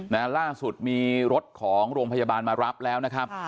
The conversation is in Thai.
ล่าสุดมีรถของโรงพยาบาลมารับแล้วนะครับ